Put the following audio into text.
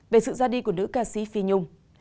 về sự ra đi của nữ ca sĩ phi nhung